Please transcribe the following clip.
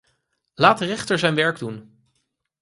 Laat de rechter zijn werk doen.